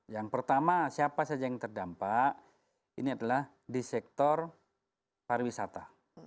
yang pertama siapa saja yang terdampak ini adalah di sektor pariwisata